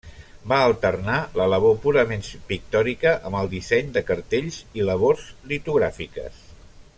Va alternar la labor purament pictòrica amb el disseny de cartells i labors litogràfiques.